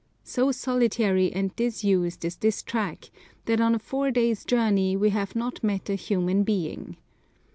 So solitary and disused is this track that on a four days' journey we have not met a human being.